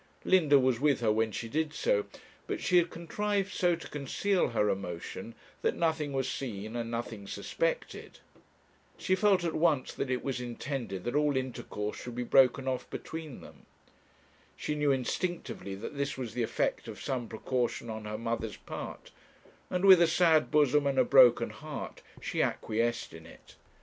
Linda was with her when she did so, but she had contrived so to conceal her emotion, that nothing was seen and nothing suspected. She felt at once that it was intended that all intercourse should be broken off between them. She knew instinctively that this was the effect of some precaution on her mother's part, and with a sad bosom and a broken heart, she acquiesced in it.